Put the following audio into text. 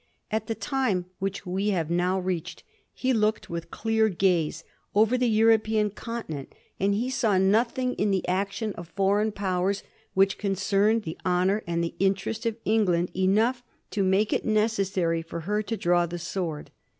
At the time which we have now reached he looked with clear gaze over the European continent, and he saw nothing in the action of foreign Powers which concerned the honor and the interest of England enough to make it necessary for her to draw the sword.